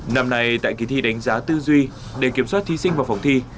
năm nay tại kỳ thi đánh giá tư duy để kiểm soát thí sinh vào phòng thi